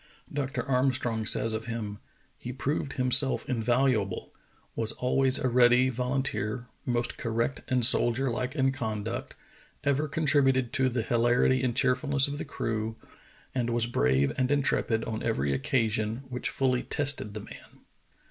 Dr. Armstrong says of him: "He proved himself invaluable, was always a ready volun teer, most correct and soldier like in conduct, ever con tributed to the hilarity and cheerfulness of the crew, and I lo True Tales of Arctic Heroism was brave and intrepid on every occasion, which fully tested the man.